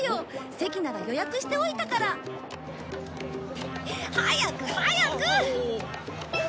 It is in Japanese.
席なら予約しておいたから。早く早く！